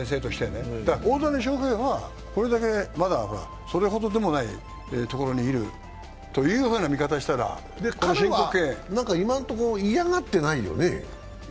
大谷翔平はこれだけ、まだそれほどでもないところにいるというふうな見方をしたら彼は今のところ、嫌がってないよね。